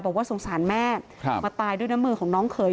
บอกว่าสงสารแม่มาตายด้วยน้ำมือของน้องเขย